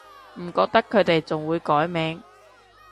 唔覺得佢哋仲會改名